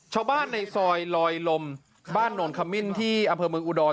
ชาวบ้านในซอยลอยลมบ้านโนนขมิ้นที่อำเภอเมืองอุดร